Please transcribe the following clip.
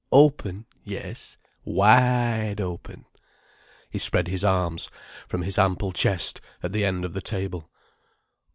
Open, yes, wide open—" He spread his arms from his ample chest, at the end of the table.